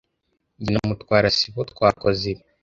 Jye na Mutwara sibo twakoze ibi.